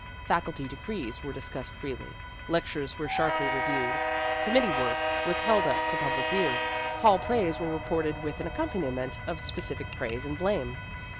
Faculty decrees were discussed freely ; lectures were sharply re viewed ; committee work was held up to public view ; hall plays were reported with an accompaniment of specific praise and blame.